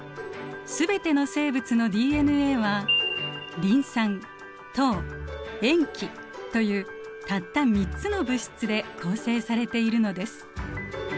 全ての生物のＤＮＡはリン酸糖塩基というたった３つの物質で構成されているのです。